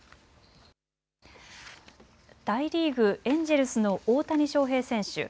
大リーグ、エンジェルスの大谷翔平選手。